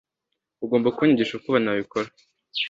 Ugomba kunyigisha uko nabikora.